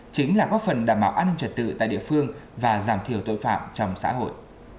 chính là góp phần đảm bảo an ninh trật tự tại địa phương và giảm thiểu tội phạm trong xã hội